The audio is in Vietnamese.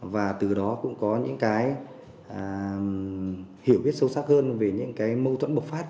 và từ đó cũng có những cái hiểu biết sâu sắc hơn về những cái mâu thuẫn bộc phát